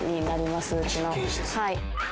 はい。